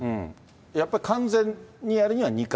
やっぱり完全にやるには２回？